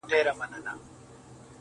او پای يې خلاص پاته کيږي،